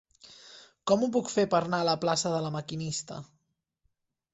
Com ho puc fer per anar a la plaça de La Maquinista?